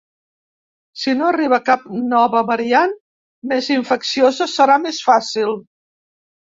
Si no arriba cap nova variant més infecciosa serà més fàcil.